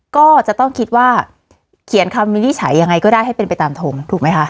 ก็จะต้องคิดว่าเขียนคำวินิจฉัยยังไงก็ได้ให้เป็นไปตามทงถูกไหมคะ